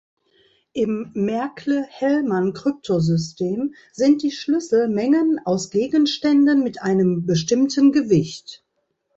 Im Merkle-Hellman-Kryptosystem sind die Schlüssel Mengen aus Gegenständen mit einem bestimmten Gewicht.